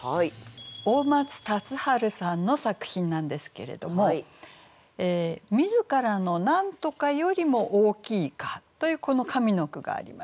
大松達知さんの作品なんですけれども「みづからの何とかよりも大きいか」というこの上の句があります。